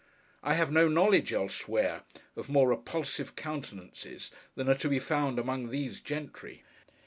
I have no knowledge, elsewhere, of more repulsive countenances than are to be found among these gentry.